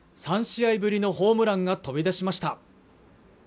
３試合ぶりのホームランが飛び出しました